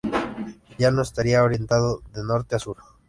Ya no estaría orientado de norte a sur.